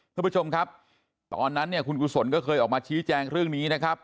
ทุกผู้ชมครับตอนนั้นเนี่ยคุณกุศลก็เคยออกมาชี้แจงเรื่องนี้นะครับ